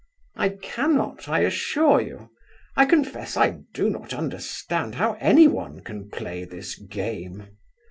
"I cannot, I assure you. I confess I do not understand how anyone can play this game."